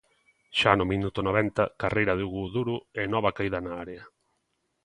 Xa no minuto noventa, carreira de Hugo Duro e nova caída na área.